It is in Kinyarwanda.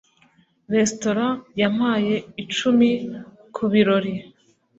restaurant yampaye icumi kubirori